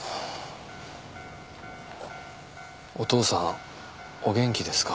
「お父さんお元気ですか？」